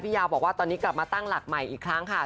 ยาวบอกว่าตอนนี้กลับมาตั้งหลักใหม่อีกครั้งค่ะ